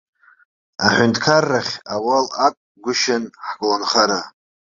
Аҳәынҭқаррахь ауал ақәгәышьан ҳколнхара.